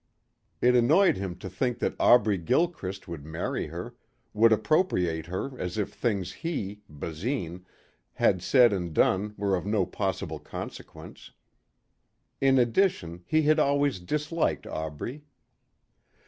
It annoyed him to think that Aubrey Gilchrist would marry her, would appropriate her as if the things he, Basine, had said and done were of no possible consequence. In addition he had always disliked Aubrey.